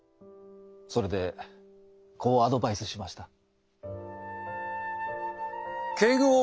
それでこうアドバイスしました。